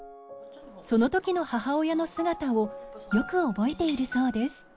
そのときの母親の姿をよく覚えているそうです。